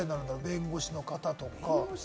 弁護士の方とか？